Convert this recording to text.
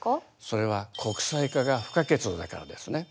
それは国際化が不可欠だからですね。